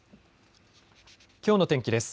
きょうの天気です。